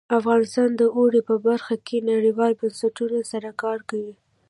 افغانستان د اوړي په برخه کې نړیوالو بنسټونو سره کار کوي.